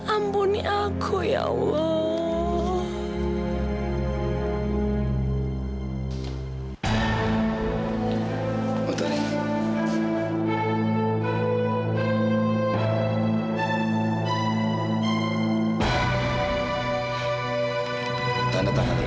ampuni aku ya allah